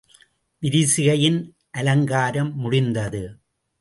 விரிசிகையின் அலங்காரம் முடிந்தது.